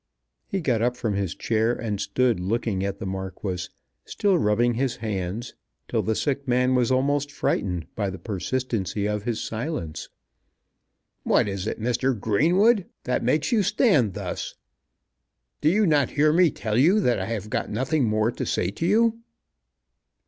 He got up from his chair and stood looking at the Marquis, still rubbing his hands, till the sick man was almost frightened by the persistency of his silence. "What is it, Mr. Greenwood, that makes you stand thus? Do you not hear me tell you that I have got nothing more to say to you?"